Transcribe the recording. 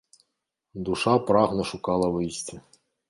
Душа прагна шукала выйсця.